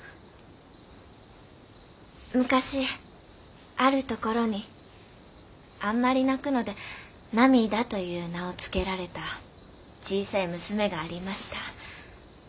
「昔ある所にあんまり泣くのでナミダという名を付けられた小さい娘がありました。